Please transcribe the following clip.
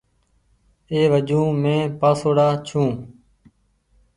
اي وجون مين پآسوڙآ ڇو۔